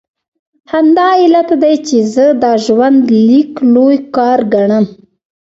همدا علت دی چې زه دا ژوندلیک لوی کار ګڼم.